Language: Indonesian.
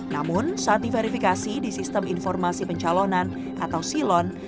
namun saat diverifikasi di sistem informasi pencalonan atau silon